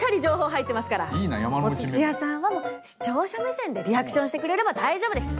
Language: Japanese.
土屋さんはもう視聴者目線でリアクションしてくれれば大丈夫です。